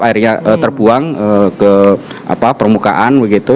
airnya terbuang ke permukaan begitu